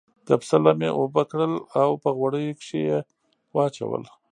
د پسه لم یې اوبه کړل او په غوړیو کې یې واچول.